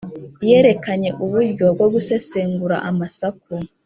Yerekanye uburyo bwo gusesengura amasaku